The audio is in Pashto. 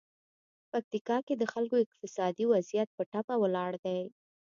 پکتیکا کې د خلکو اقتصادي وضعیت په ټپه ولاړ دی.